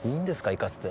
行かせて。